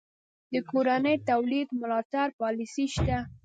د کورني تولید ملاتړ پالیسي شته؟